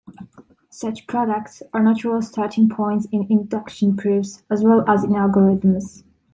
Such "products" are natural starting points in induction proofs, as well as in algorithms.